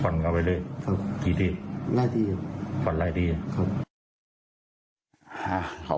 ฝันเขาไปด้วยครับที่ที่หน้าที่ฝันร้ายที่ครับ